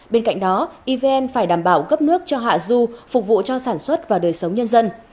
bên cạnh đó evn phải đảm bảo cấp nước cho hạ du phục vụ cho sản xuất và đời sống nhân dân